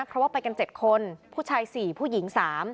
เพราะว่าไปกัน๗คนผู้ชาย๔ผู้หญิง๓